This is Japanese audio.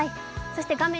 そして画面